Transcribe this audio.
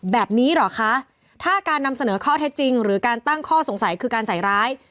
แบบนี้เหรอคะถ้าการนำเสนอข้อเท็จจริงหรือการตั้งข้อสงสัยคือการใส่ร้าย